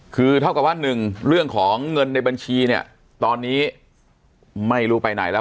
คือเท่ากับว่าหนึ่งเรื่องของเงินในบัญชีเนี่ยตอนนี้ไม่รู้ไปไหนแล้ว